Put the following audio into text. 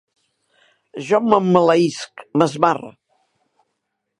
Jo m'emmaleïsc, m'esmarre